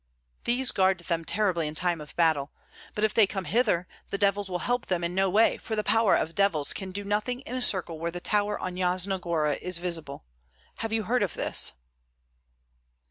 These guard them terribly in time of battle; but if they come hither, the devils will help them in no way, for the power of devils can do nothing in a circle where the tower on Yasna Gora is visible. Have you heard of this?"